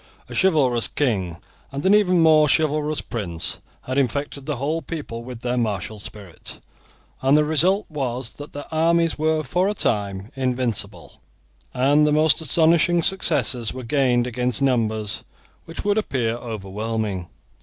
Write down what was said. A chivalrous king and an even more chivalrous prince had infected the whole people with their martial spirit, and the result was that their armies were for a time invincible, and the most astonishing successes were gained against numbers which would appear overwhelming.